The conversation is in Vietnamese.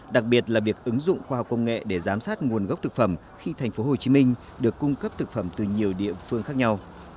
đặc biệt là việc ứng dụng khoa học công nghệ để giám sát nguồn gốc thực phẩm khi tp hcm được cung cấp thực phẩm từ nhiều địa phương khác nhau